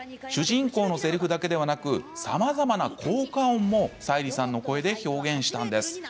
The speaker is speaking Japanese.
主人公のせりふだけでなくさまざまな効果音も沙莉さんの声で表現したんです。